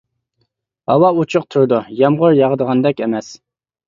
ھاۋا ئوچۇق تۇرىدۇ، يامغۇر ياغىدىغاندەك ئەمەس.